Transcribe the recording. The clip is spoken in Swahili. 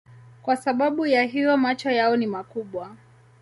Kwa sababu ya hiyo macho yao ni makubwa.